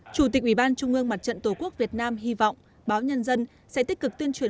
chủ tịch ủy ban trung ương mặt trận tổ quốc việt nam hy vọng báo nhân dân sẽ tích cực tuyên truyền